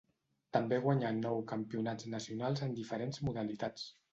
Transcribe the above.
També guanyà nou campionats nacionals en diferents modalitats.